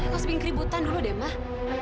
kau seping keributan dulu deh mah